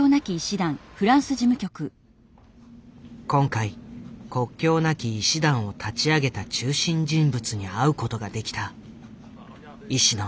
今回国境なき医師団を立ち上げた中心人物に会うことができた。